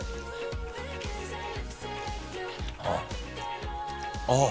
あっ、あー！